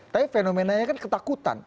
tapi fenomenanya kan ketakutan